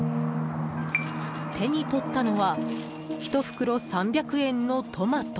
手に取ったのは１袋３００円のトマト。